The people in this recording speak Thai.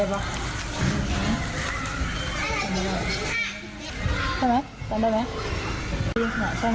แกจับเคียลอะไรไหมเล่นกับเพื่อนไหมเล่นก่อนเล่น